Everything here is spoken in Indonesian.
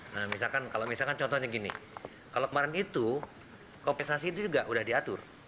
nah misalkan kalau misalkan contohnya gini kalau kemarin itu kompensasi itu juga udah diatur